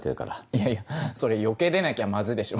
いやいやそれ余計出なきゃまずいでしょ。